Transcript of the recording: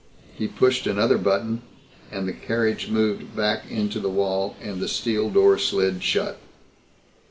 He pushed another button and the carriage moved back into the wall and the steel door slid shut.